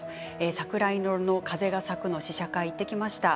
「桜色の風が咲く」の試写会行ってきました。